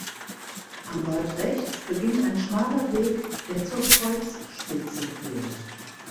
Am Wald rechts beginnt ein schmaler Weg, der zur Kreuzspitze führt.